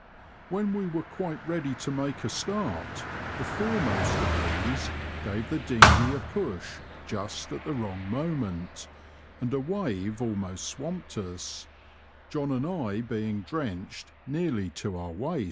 When we were quite ready to make a start the foremost of these gave the dinghey a push just at the wrong moment, and a wave almost swamped us, John and I being drenched nearly to our waists.